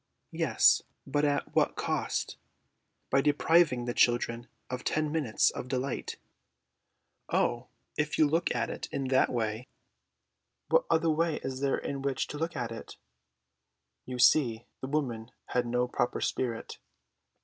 "Yes, but at what a cost! By depriving the children of ten minutes of delight." "Oh, if you look at it in that way!" "What other way is there in which to look at it?" You see, the woman had no proper spirit.